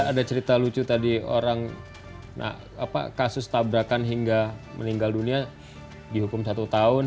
ada cerita lucu tadi orang kasus tabrakan hingga meninggal dunia dihukum satu tahun